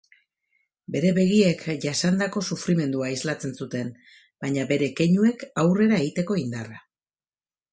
Bere begiek jasandako sufrimendua islatzen zuten baina bere keinuek aurrera egiteko indarra.